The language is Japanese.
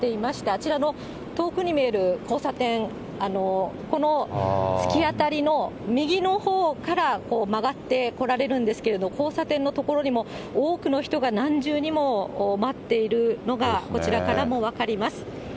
あちらの遠くに見える交差点、この突き当たりの右のほうから曲がって来られるんですけれども、交差点の所にも、多くの人が何重にも待っているのがこちらからも分かります。